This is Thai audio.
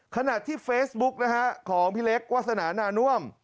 ขณะที่เฟซบุ๊กนะฮะของพี่เล็กวาสนานาน่วม